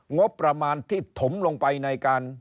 งบประมาณที่ถมลงไปในการ